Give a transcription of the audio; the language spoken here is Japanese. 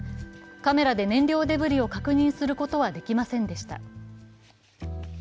カメラで燃料デブリを確認することはできませんでした。